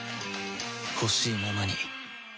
ほしいままに